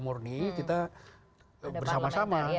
murni kita bersama sama